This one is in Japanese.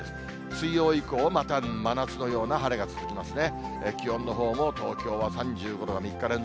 水曜以降はまた真夏のような晴れが続きますね。